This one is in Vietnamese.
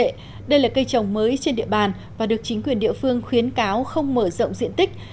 tuy nhiên đây là cây trồng mới trên địa bàn và được chính quyền địa phương khuyến cáo không mở rộng diện tích